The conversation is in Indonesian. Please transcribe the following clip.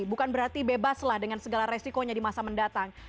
bukan berarti bebas lah dengan segala resikonya di masa mendatang